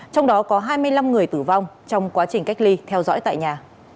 trong đó có hai mươi năm người tử vong trong quá trình cách ly theo dõi tại nhà